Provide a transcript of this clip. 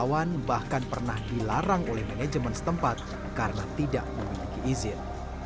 rawan bahkan pernah dilarang oleh manajemen setempat karena tidak memiliki izin